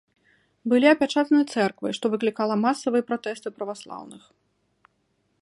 Былі апячатаны цэрквы, што выклікала масавыя пратэсты праваслаўных.